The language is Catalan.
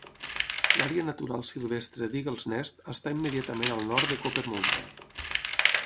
L'àrea natural silvestre d'Eagles Nest està immediatament al nord de Copper Mountain.